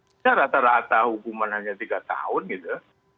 kita rata rata hukuman hanya tiga tahun gitu